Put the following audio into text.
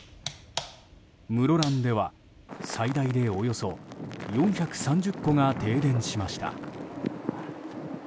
室蘭では、最大でおよそ４３０戸が停電しました。